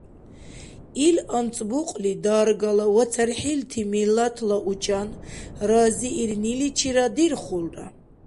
Ил анцӀбукьли даргала ва цархӀилти миллатла учӀан разиирниличира дирхулра.